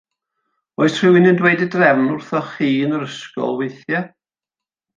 Oes rhywun yn dweud y drefn wrthoch chi yn yr ysgol weithiau?